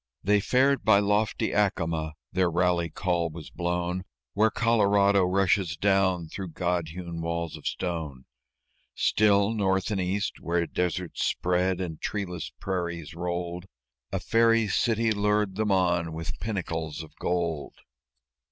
They fared by lofty Acoma; their rally call was blown Where Colorado rushes down through God hewn walls of stone; Still, North and East, where deserts spread, and treeless prairies rolled, A Fairy City lured them on with pinnacles of gold.